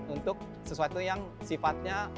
untuk sesuatu yang sifatnya